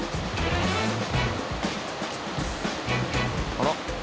あら！